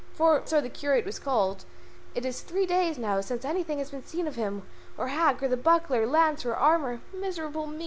for so the curate was called; "it is three days now since anything has been seen of him, or the hack, or the buckler, lance, or armour. Miserable me!